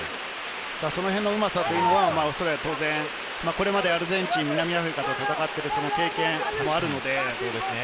そのへんのうまさというのはオーストラリアは当然、アルゼンチン、南アフリカと戦って経験もあるので。